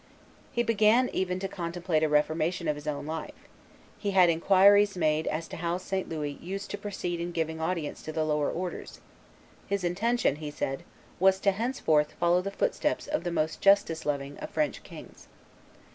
He began even to contemplate a reformation of his own life; he had inquiries made as to how St. Louis used to proceed in giving audience to the lower orders; his intention, he said, was to henceforth follow the footsteps of the most justice loving of French kings.